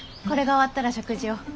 これが終わったら食事を。